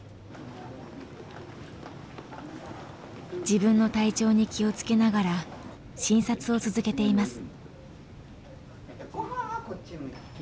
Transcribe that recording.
自分の体調に気を付けながら診察を続けています。